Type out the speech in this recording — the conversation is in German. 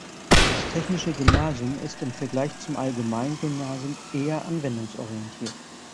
Das Technische Gymnasium ist im Vergleich zum allgemeinen Gymnasium eher anwendungsorientiert.